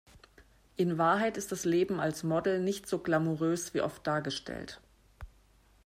In Wahrheit ist das Leben als Model nicht so glamourös wie oft dargestellt.